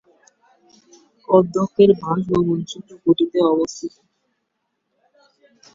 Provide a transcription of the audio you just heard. অধ্যক্ষের বাসভবন ছোট-কুঠিতে অবস্থিত।